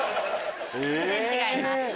全然違います。